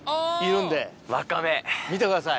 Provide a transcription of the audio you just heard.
見てください！